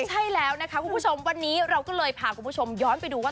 ใช่แล้วนะคะคุณผู้ชมวันนี้เราก็เลยพาคุณผู้ชมย้อนไปดูว่า